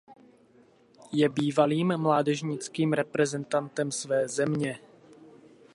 Je bývalým mládežnickým reprezentantem své země.